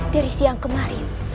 dari siang kemarin